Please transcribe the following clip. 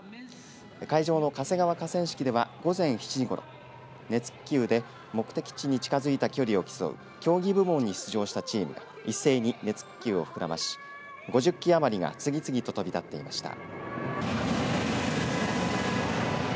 会場の嘉瀬川河川敷では午前７時ごろ熱気球で目的に近づいた距離を競う競技部門に出場したチームが一斉に熱気球を膨らまし５０機余りが次々と飛び立っていました。